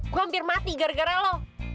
gue hampir mati gara gara lo